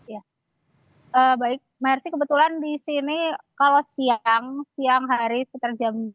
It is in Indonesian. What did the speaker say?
ya baik mersi kebetulan disini kalau siang siang hari sekitar jam dua belas